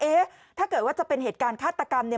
เอ๊ะถ้าเกิดว่าจะเป็นเหตุการณ์ฆาตกรรมเนี่ย